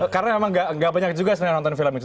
karena emang nggak banyak juga sebenarnya nonton film itu